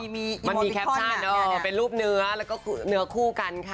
มันมีแคปชั่นเป็นรูปเนื้อแล้วก็เนื้อคู่กันค่ะ